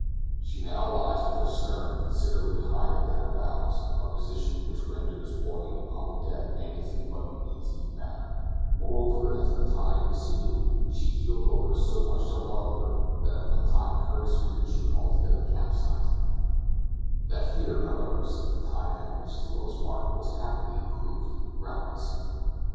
She now lies with her stern considerably higher than her bows, a position which renders walking upon the deck anything but an easy matter, moreover as the tide receded she heeled over so much to larboard that at one time Curtis feared she would altogether capsize; that fear, however, since the tide has reached its lowest mark, has happily proved groundless.